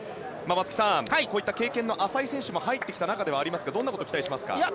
松木さん、こういった経験の浅い選手が入ってきた中ですがどんなことを期待しますか。